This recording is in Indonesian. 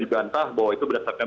dibantah bahwa itu berdasarkan